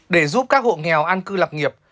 để giúp các hộ nghèo an cư lập nghiệp